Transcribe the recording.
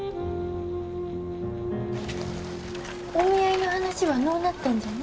お見合いの話はのうなったんじゃね？